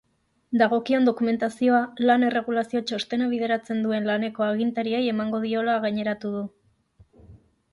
Dagokion dokumentazioa lan-erregulazio txostena bideratzen duen laneko agintariei emango diola gaineratu du.